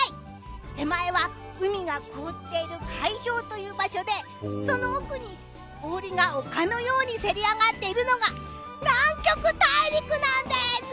手前は海が凍っている海氷という場所でその奥に、氷が丘のようにせり上がっているのが南極大陸なんです。